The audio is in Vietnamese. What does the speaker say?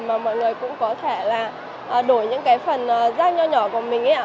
mà mọi người cũng có thể là đổi những cái phần rác nhỏ nhỏ của mình